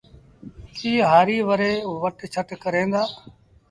ڪي هآريٚ وري وٽ ڇٽ ڪريݩ دآ